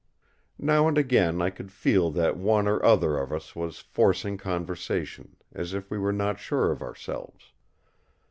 Now and again I could feel that one or other of us was forcing conversation, as if we were not sure of ourselves.